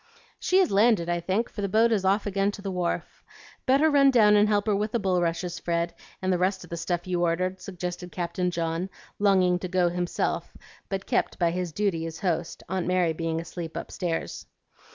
"She has landed, I think, for the boat is off again to the wharf. Better run down and help her with the bulrushes, Fred, and the rest of the stuff you ordered," suggested Captain John, longing to go himself but kept by his duty as host, Aunt Mary being asleep upstairs.